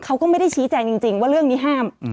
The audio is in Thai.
เขาก็ไม่ได้ชี้แจงจริงว่าเรื่องนี้ห้าม